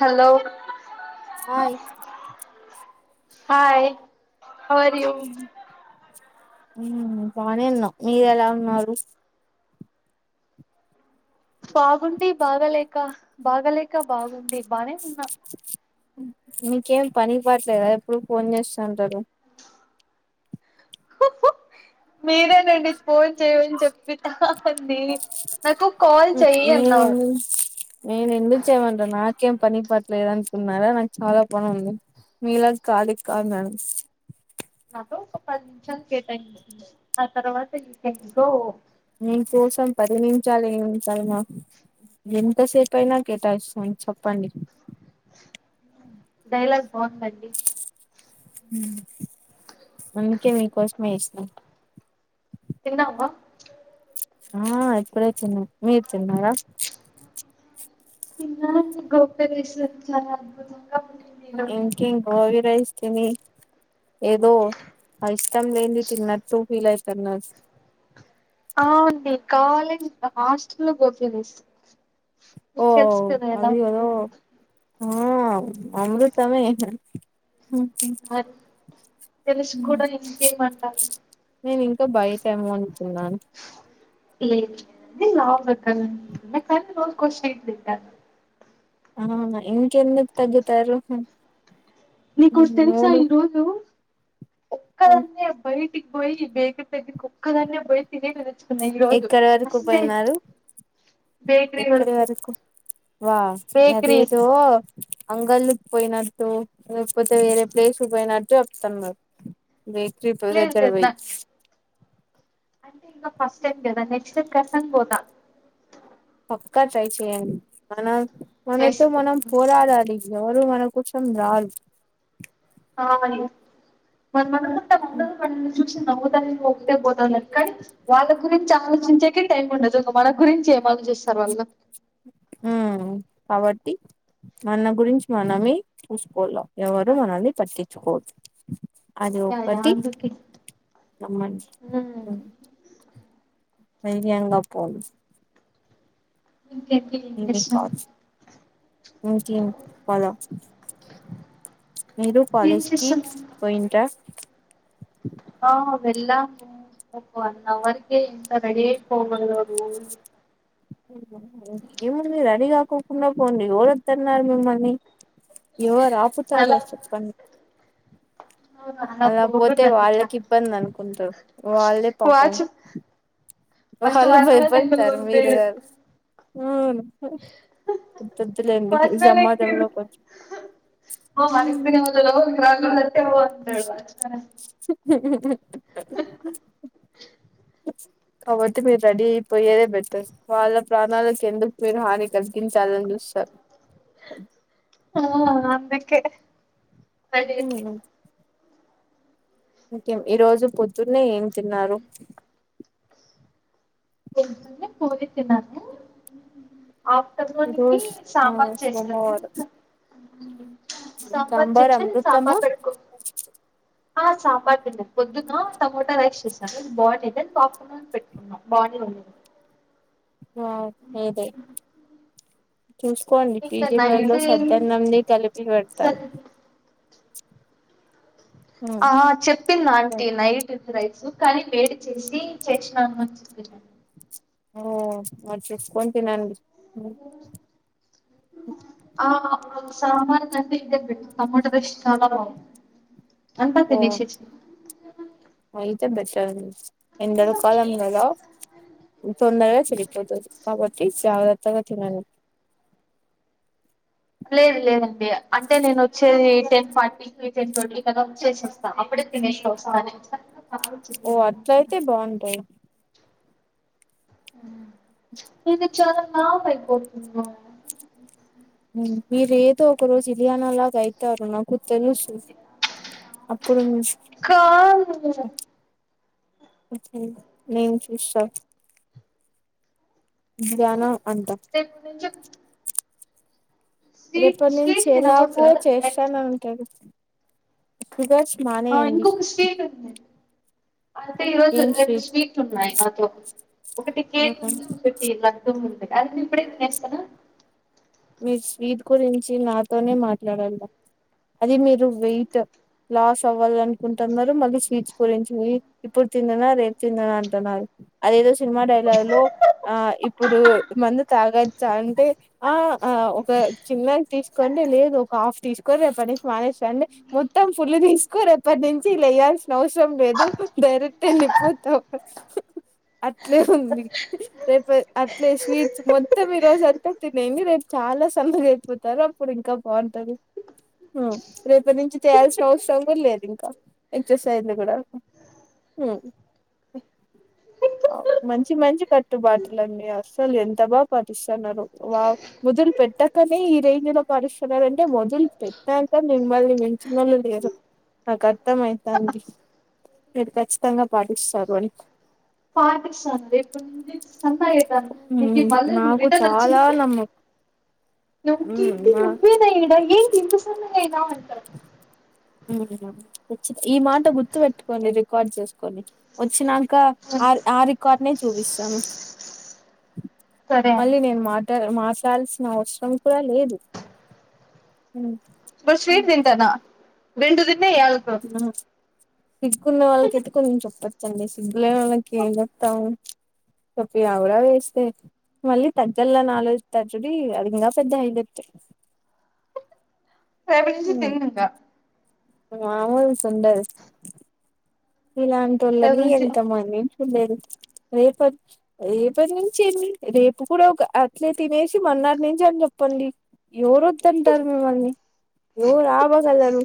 Hello hi hi how are you హుమ్ బానే ఉన్నామ్ మీరు ఎలా ఉన్నారు బాగుండి బాగాలేక బాగలేక బాగుండి బానె ఉన్న మీకేం పని పాట్ లేదా ఎప్పుడు ఫోన్ చేస్తాంటారు మీరే నండి ఫోన్ చేయమని చెప్పింది [unintelligible] నేన్ ఎందు నేన్ ఎందుకు చేమంట నాక్ కేం పని పట్లేదు అనుకున్నారా నాకు చాలా పని ఉంది మీలా కాద్ ఇక్క కా న్నాన్ నాతో ఒక పది నిమిషాలు కేటాయింది ఆ తర్వాత ఇంకా ఇంకో నేన్ కోసం పది నిమిషాలు ఏం కర్మ ఎంతసేపు అయినా కేటాయిస్తాం చెప్పండి డైలాగ్ బాగుందండి అందుకే మీకోశమే ఏసినా తిన్నా వా ఆ ఇప్పుడే తిన్న మీ ర్ తిన్నారా తిన్న అండి గోబీ రైస్ చాలా అద్భుతం ఇంకెం గ్ గోబీ రైస్ తిని ఏదో ఐస్ ఇష్టం లేనిది తిన్నట్టు ఫీల్ అయి తన్నాస్ ఆ అండి కాలేజ్ హాస్టల్ లో గోబీ రైస్ ఓ మీకు తెలుసు కదా ఎలా అది ఏదో ఉంటుంది హూ అమృతమే హు హు హుమ్ మరి తెలిసి కూడా ఇంకేమంటారు నేను ఇంకా బయటమో అనుకున్నాన్ ఇది లావ్ [inaudible] కానీ రోజ్ కో షైన్ తింటా ఆ మ ఇంకెందుకు తగ్గుతారు నీకోటి తెలుసా నూరు ఈ రోజు ఒక్కదాన్నే బయిట్ టికి పోయి బేకరి దగ్గరకి ఒక్కదాన్నే పోయి తినేక తెచ్చు ఎక్కడి వరకు పోయినారు ఎక్కడి వరకు వా బేకరీ అదేదో అంగళ్ళుకి పోయినట్టు లేకపోతే వేరే ప్లేస్కి పోయినట్టు చెప్తానర్ బక్రీ పోయి లేదు దగ్గరి లేదు నా వోయి అంటే ఇంకా ఫస్ట్ టైమ్ కదా నెక్స్ట్ టైం కసంగ్ పోతా పక్క ట్రై చేయండి మనం మనతో చేస్తా మనం పోరాడాలి ఎవరూ మన కోసం రార్ ఆమని [unintelligible] [unintelligible] పిల్చి నవ్వు దానికితే [unintelligible] పోతందని కానీ, వాళ్ళ గురించి ఆలోచించేకే టైం ఉండదు. ఒక మన గురించి ఏం ఆలోచిస్తారు. వాళ్ళు ఉమ్మ్ కాబట్టి మన గురించి మనమే చూసుకోల్ల ఎవరు యా మనల్ని పట్టిచ్చుకోర్ అది యా ఒక్కటి అందుకే రమ్మన్ ఉ వేయంగా పోల్ ఇంకేంటి [unintelligible] కావచ్చు ఇంకేం పద మీరు ఏం కాలేజి కి చేస్తున్నారు పోయిన్ర ఆ వెళ్ళాము ఒక వన్ అవర్ కే ఇంత రెడీ అయి పోబదు ఏముంది రెడీ కాకుండా పోండి ఎవరు ఒద్దన్నారు మిమ్మల్ని ఎవరు ఆపుతారో అలా చెప్పండి అలా పోతే పోకూడదండి ఇంకా వాళ్ళకి ఇబ్బంది అనుకుంటరు, వాళ్ళే పాపం వాచ్ ఫస్ట్ వాళ్ళు వాచ్మెన్ అంకుల్ భయపడతారు, మీరు పంపాడు కాదు అవును ఒద్దొద్దు లెండి. ఈ వాచ్మెన్ అంకుల్ సమాజంలో కొంచ్ హ్మ్ [unintelligible] అంటే కాబట్టి మీరు రెడీ అయిపోయేదే బెటర్ వాళ్ళ ప్రాణాలకు ఎందుకు మీరు హాని కలిగించాలని చూస్తారు ఆ అందుకే రెడీ హ్మ్ ఇంకేం ఈ రోజు పొద్దున్నే ఏం తిన్నారు ఏంటంటే పూరి తిన్నాను ఈ ఆఫ్టర్నూన్ కి రోజు ఆ సాంబార్ చేసాను సోమవారం ఇంక సాంబార్ అమృతము సాంబార్ పెట్టుకో ఆ సాంబార్ పింది పొద్దున్న టమోటా రైస్ చేసాను బాగుండే అన్ పెట్టుకున్నాం బాగానే ఉండది ఆ అదే చూసుకోండి ఇంకా పీజీలలో నైట్ సద్దన్నంని కలిపి పెడతారు సరే ఉమ్ ఆ చెప్పింది ఆంటీ నైట్ కాని వేడి చేసి చేక్షినా మన్నాను ఓ మరి చేసుకొని తినండి ఓ ఆ సామాన కంట ఇద టమాటా పేస్ట్ చానా బాగుంటుంది అంతా ఓ తినేశేశి తే బెటర్ అండి ఎండల కాలం కదా తొందరగా చెడిపోతది కాబట్టి జాగ్రత్తగా తినండి లేదు లేదండి అంటే నేను వచ్చేది టెన్ ఫార్టీకి టెన్ ట్వంటీ కల వచ్చసేస్తా అప్పుడే తినేసి వస్తా కాల్ ఓ చెయ్యండి అట్ల అయితే బాగుంటది ఇది చాల లాంగ్ అయిపోతుంది రా మీరు ఏదో ఒక రోజు ఇలియానా లాగా అవుతారు నాకు తెలుసు అప్ కాను నేను చూస్తా ధ్యానం అంట రేపటి నుంచి స్వీట్ రేపనుంచి స్వీట్ తినకూడదు ఎలాగో కదా చేస్తనే ఉంటది ఆ ఇంకొక స్వీట్ ఉంది అంటే ఈ రోజు ఏం రెండు స్వీట్ స్వీట్లు ఉన్నాయి నాతో ఒకటి కేక్ ఉంది ఒకటి లడ్డు ఉంది అన్ని ఇప్పుడే తినేస్తానా మీరు స్వీట్ గురించి నాతోనే మాట్లాడాల అది మీరు వెయిట్ లాస్ అవ్వాల అనుకుంటున్నారు మళ్ళీ స్వీట్స్ గురించి ఇప్పుడు తిననా రేపు తిననా అంటున్నారు అదేదో సినిమా డైలాగ్ లో ఆ ఇప్పుడు మందు తాగచ్చా అంటే ఆ ఆ ఒక చిన్నది తీసుకోండి లేదు ఒక హాఫ్ తీసుకొని రేపటి నుంచి మానేసెయ్యండి మొత్తం ఫుల్ తీసుకో రేపటి నుంచి వేయాల్సిన అవసరం లేదు డైరెక్ట్ వెళ్ళిపోతాం అట్లే ఉంది రేపు అట్లే స్వీట్స్ మొత్తం ఈ రోజు అంతా తినేయండి రేపు చాలా సన్నగా అయిపోతారు అప్పుడు ఇంకా బాగుంటది రేపటి నుంచి చేయాల్సిన అవసరం కూడా లేదు ఇంకా ఎక్సర్సైజ్లు కూడా హు మంచి మంచి కట్టుబాటలండి అసలు ఎంత బాగా పాటిస్తున్నారు వావ్ మొదులు పెట్టాకనే ఈ రేంజ్ లో పాటిస్తున్నరంటే మొదులు పెట్టాక మిమ్మల్ని మించి నోళ్ళు లేరు నాకు అర్థం అయితండి మీరు ఖచ్చితంగా పాటిస్తారు అని పాటిస్తాను రేపటి నుండి సన్నగ అయితను నీకి హ్మ్ మళ్ళి నువ్ నాకు రిటర్న్ చాలా వచ్చినికి నమ్మకం నువ్ హ్మ్ కీర్తి నా నువ్వేనా ఏంటి ఇంత సన్నగ అయినవ్ హు ముచ్చట ఈ మాట గుర్తు పెెట్టుకోండి రికార్డ్ చేసుకొని వచ్చినాక ఆ ఆ రికార్డ్నే చూపిస్తాము సరే అని మళ్ళీ నేన్ మా మార్చల్సిన అవసరం కూడా లేదు హు మీర్ స్వీట్ తింటారా వెెంటిది ఆ తిట్టుకున్నా వాళ్ళు ఇయాల్తో తిట్టుకొని చెప్తా ండి సిగ్గుులే మనకి ఏం చెప్తాము చెప్పి ఆ కూడా వేస్తే మళ్ళీ తగ్గల్లాని ఆలోచితటుడి అది ఇంకా పెద్ద అయిదస్తా సవలించి తనుంగా అవును సంట ఇలాంటి వాళ్ళని రేపటి నుంచి ఎంత మంది లేదు రేపది రేపటి నుంచిే రేపు కూడా ఒక అట్లే తినేసి మన్నటి నుంచి అని చెప్పండి ఎవరు తంటారు మిమ్మల్ని ఎవరు ఆ బగలారు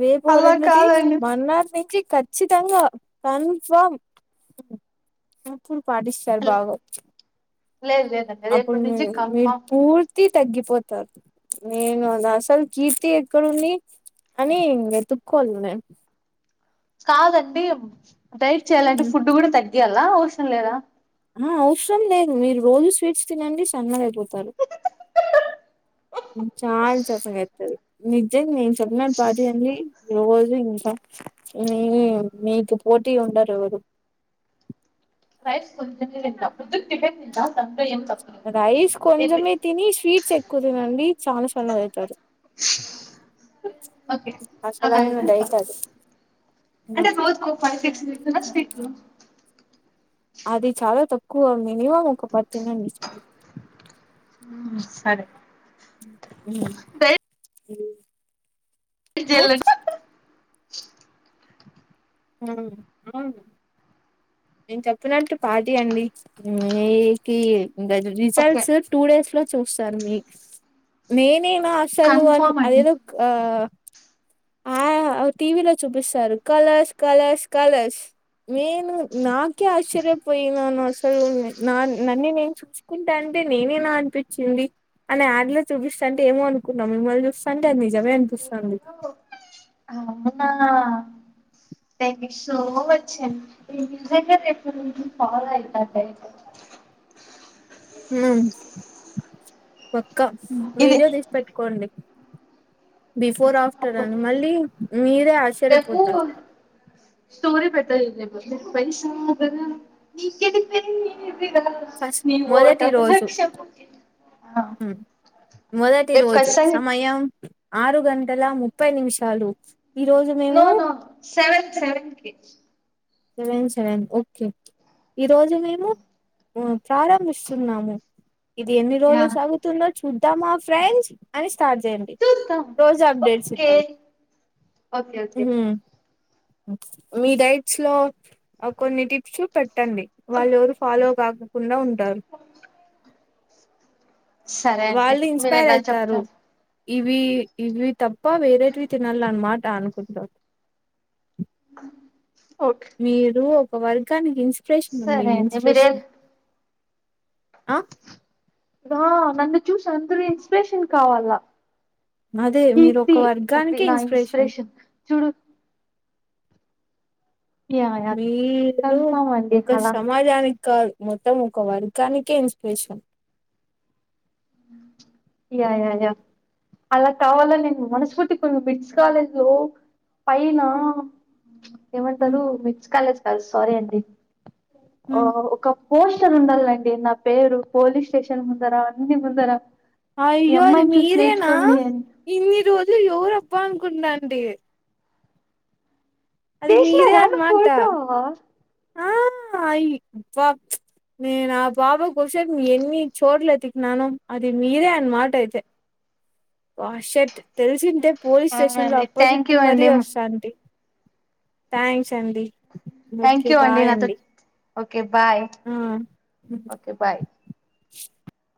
రేపు అలా రెమిది కాదండి మార్ నుంచి ఖచ్చితంగా కన్ఫామ్ప్పుడు పాటిస్తారు లేదు బాగా వచ్చు లేదండి అప్పుడు రేపటి నుంచి మీరు కన్ఫామ్ పూర్తి తగ్గిపోత నేను అసలు కీర్తి ఎక్కడుంది అని వెతుక్కోవాాలి నేను కాదండి డైట్ చేయాలంటే ఫుడ్ కూడా తగ్గింది ఇ ఎలా ఔషం లేద ఆ అవసరం లేదు మీరు రోజు స్వీట్స్ తినండి సన్నగాయిపోతారు చాలా చక్కగా వస్తారు అ నను సగ పాది అీ ఈ రోజు ఇంకా మీ మీకు పోటీ ఉండరు ఎవరు రైస్ కుినదా కుద్దు తిది రైస్ కొంచమే తిని స్వీట్స్ ఎక్కువ తినండి చాలా చదది ఓకే అలా అసలైన డైట్ అది అంటేజకో ఫ్ సిక్స్ మ హలో అది చాలా తక్కువ మినిమం ఒక పతినండి చాల సరే అ అ జ హ నేను చెప్పినట్టు పాటీ అండి మీకి ఇంకా ఓకే రిజల్ట్స్ టూ డేస్ లో చూస్తాను మీ నేనే అసలు అని కన్ఫామ్ అండి అదేదో ఆ ఆ టీవీలో చూపిస్తారు కలర్స్ కలర్స్ కలర్స్ నేను నాకే ఆశ్చర్యపోయినాను అసలు నా నన్నే నేను చూసుుకుంటా అంటే నేనే నా అనిపించింది అనే యాడ్ లో చూపిస్తా అంటే ఏమో అనుకున్నాం మిమ్మల్ని చూస్తాంటే అది నిజమే అనిపిస్తుంది అవునా ్యాంక్ యూ సో వచ్చ అడి మీ దగ్గర రపుడు నుంచి ఫాలో అవుతం హ ప ఇం ఇది వీడియో తీసి పెట్టుకోండి బస్ ఫోర్ ఆఫ్టర్నూన్ మళ్ళీ మీ ఎకు స్టోర పెట్ట ఇ బ పైసా నీకెది పె ఫస్ట్ నవ మొదటి ఓటగా రోజు దక్షపోత మొదటి రేపు రోజు ఖచ్చితంగా సమయం ఆరు గంటల ముప్పై నిమిషాలు ఈ రోజు నో మేము నో సెవెన్ సెవెన్ కే సెవెన్ సెవెన్ ఓకే ఈ రోజు మేము ప్రారంభస్తుంన్నాము ఇది ఎన్ని యా రోజులు సాగుతున్నట్ చూద్దామా ఫ్రెండ్స్ అని స్టార్ట్ చేయండి చూద్దాం రోజు అప్డేట్స్ ఓకే ఇద్దాం ఓకే ఓకే మీ డైక్ స్లో కొన్ని టిప్స్ [unintelligible] ట్టండి వాళ్ళు ఎవరు ఫాలో తాగకుండా ఉంటారు సరే అండి వాళ్ళు మీరు ఇన్స్పైర్ ఎలా అయితారు చెప్తార్ ఇవి ఇవి తప్పా వేరేటివి తినాలన్ మాట్ ట అనుకుంట ఓకే మీరు వర్గాని ఇన్స్పిరేషన్ నుండి సరే ఇన్స్పిరేషన్ ఆ రా నన్ను చూసి అందరుూ ఇన్స్పిరేషన్ కావాల అదే మీరు ఒక వర్గానికి ఇన్స్పిరేషన్ యా యా మీరు కన్ఫామ్ అండి ఇంకా అలా సమాజానికి మొత్తం ఒక వర్గానిక ఇన్స్పిరేషన్ యాయాయా అలా కావాల నేను మనస్ఫూర్తి కొన్ని మిడ్స్ కాలేజ్ లో పైన ఏమంటారు మిట్స్ కాలేజ్ కా సారీ అమ్మ ఎ ఓ ఒక ఫోన్ షన్ ఉండాలిండి నా పేరు పోలీస్ స్టేషన్ ముందరా అన్ని ముందరా అయ్యోది మీరేనా అని ఇన్ని రోజులు ఎవరబ్బా అనుకుంటాను అండి మీరే వేసినారా నా అనమాట ఫోటో ఆ అయి అబ్బా నేను ఆ బాబా కోసం ఎన్ని చోట్ల ఎతికినానో అది మీరే అన్న మాట అయితే. వా షట్ తెల్సింటే పోలీస్ స్టేషన్ లో అవునండి థ్యాంక్ అప్పజిప్పి యూ మరీ అండి వస్తాంటి థ్యాంక్స్ అండి థ్యాంక్ ఓకే యూ అండి బాయ్ నాతో ఓకే బాయ్ ఆ ఓకే బాయ్ [unintelligible]